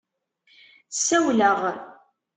Ssawleɣ.